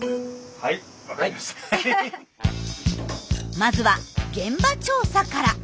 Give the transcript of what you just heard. まずは現場調査から。